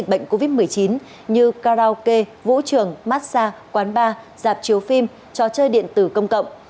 dịch bệnh covid một mươi chín như karaoke vũ trường massage quán bar dạp chiếu phim cho chơi điện tử công cộng